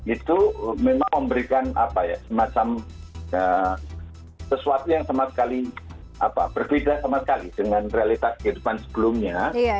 itu memang memberikan semacam sesuatu yang sama sekali berbeda sama sekali dengan realitas kehidupan sebelumnya